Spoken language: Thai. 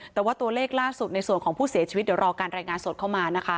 แต่ว่าตัวเลขล่าสุดในส่วนของผู้เสียชีวิตเดี๋ยวรอการรายงานสดเข้ามานะคะ